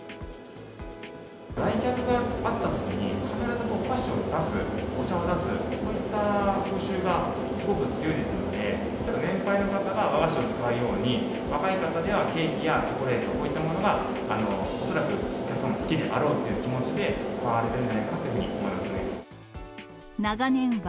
来客があったときに、必ずお菓子を出す、お茶を出す、そういった風習がすごく強いですので、年配の方が和菓子を使うように、若い方がケーキやチョコレート、こういったものが恐らくお客様、好きであろうという気持ちで、買われてるんじゃないかというふ